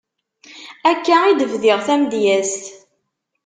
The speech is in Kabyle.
Akka i d-bdiɣ tamedyazt.